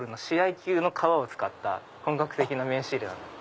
球の革を使った本格的な名刺入れなんで。